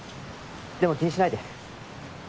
でも気にしないで。